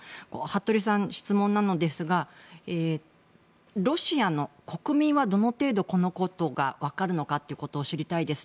服部さん、質問なのですがロシアの国民はどの程度このことが分かるのかということを知りたいです。